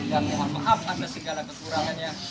mohon maaf atas segala kekurangannya